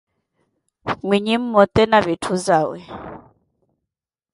Mwinyi mmote na vitthu zawe.